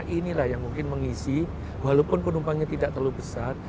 inilah yang mungkin mengisi walaupun penumpangnya tidak terlalu besar